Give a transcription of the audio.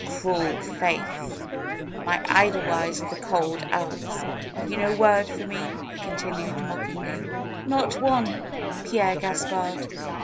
^^Cruel Faith! My Edelweiss of the cold Alps! Have you no word for me? " he continued, mockingly. '^Not one, Pierre Gaspard!"